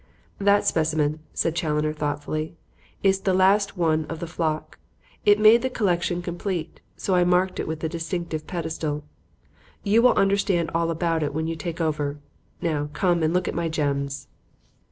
"That specimen," said Challoner, thoughtfully, "is the last of the flock. It made the collection complete. So I marked it with a distinctive pedestal. You will understand all about it when you take over. Now come and look at my gems."